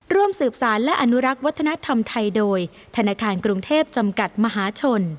ร่วมสืบสารและอนุรักษ์วัฒนธรรมไทยโดยธนาคารกรุงเทพจำกัดมหาชน